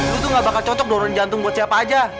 gue tuh gak bakal cocok dorong jantung buat siapa aja